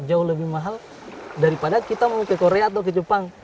jauh lebih mahal daripada kita mau ke korea atau ke jepang